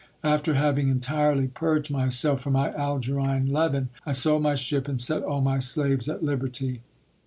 After having entirely purged myself from my Algerine leaven, I sold my ship, and set all my slaves at liberty.